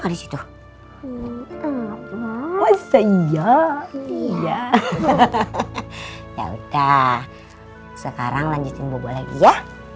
ya udah sekarang lanjutin bobo lagi ya